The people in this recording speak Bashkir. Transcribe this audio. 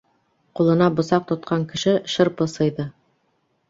Ҡулына бысаҡ тотҡан кеше шырпы сыйҙы.